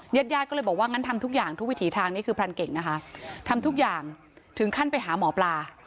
ญาติญาติก็เลยบอกว่างั้นทำทุกอย่างทุกวิถีทางนี่คือพรานเก่งนะคะทำทุกอย่างถึงขั้นไปหาหมอปลา